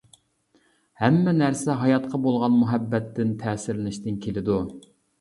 ھەممە نەرسە ھاياتقا بولغان مۇھەببەتتىن، تەسىرلىنىشتىن كېلىدۇ.